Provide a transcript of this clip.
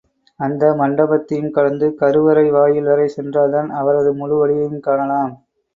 அர்த்த மண்டபத்தையும் கடந்து கருவறைவாயில் வரை சென்றால்தான் அவரது முழு வடிவையும் காணலாம்.